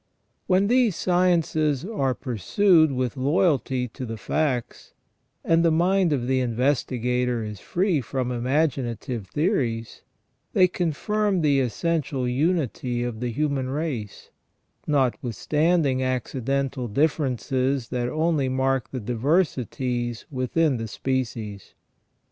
When these sciences are pur sued with loyalty to the facts, and the mind of the investigator is free from imaginative theories, they confirm the essential unity of the human race, notwithstanding accidental differences that only mark the diversities within the species.